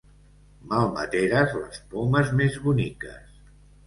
Malmeteres les pomes més boniques.